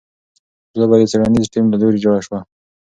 لوبه د څېړنیز ټیم له لوري جوړه شوې.